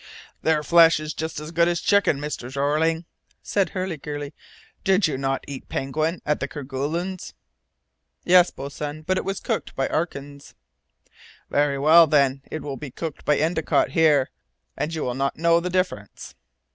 "Their flesh is just as good as chicken, Mr. Jeorling," said Hurliguerly. "Did you not eat penguin at the Kerguelens?" "Yes, boatswain, but it was cooked by Atkins." "Very well, then; it will be cooked by Endicott here, and you will not know the difference."